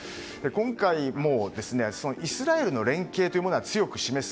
今回も、イスラエルの連携というものは強く示す。